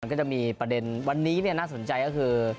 ก็จะมีประเด็นวันนี้น่าสนใจก็คือ